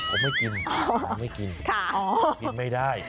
ผมไม่กินคุณกินไม่ได้